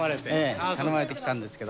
頼まれて来たんですけど。